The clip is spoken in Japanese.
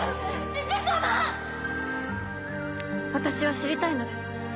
私は知りたいのです。